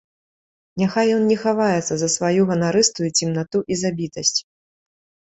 Няхай ён не хаваецца за сваю ганарыстую цемнату і забітасць.